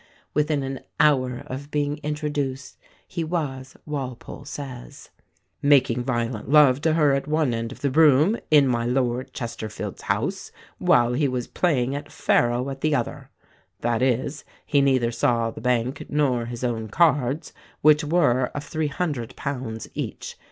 Within an hour of being introduced he was, Walpole says, "making violent love to her at one end of the room, in my Lord Chesterfield's house, while he was playing at pharaoh at the other; that is, he neither saw the bank nor his own cards, which were of £300 each.